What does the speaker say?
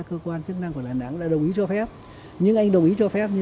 cái dự án đúng tiến độ